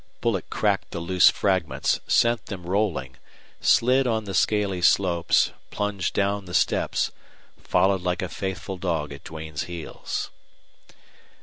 Bullet cracked the loose fragments, sent them rolling, slid on the scaly slopes, plunged down the steps, followed like a faithful dog at Duane's heels.